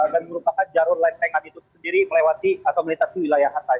dan merupakan jarur lengket itu sendiri melewati komunitas di wilayah hatai